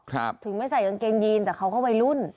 ถึงไม่ใส่กางเกงยีนแต่เขาก็วัยรุ่น